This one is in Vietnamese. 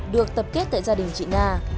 được tập kết tại gia đình chị nga